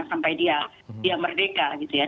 sampai dia merdeka gitu ya